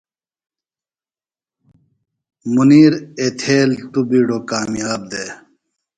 منیر ایتھیل تو بِیڈوۡ کامیاب دےۡ۔